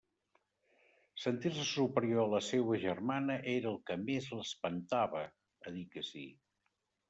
Sentir-se superior a la seua germana era el que més l'espentava a dir que sí.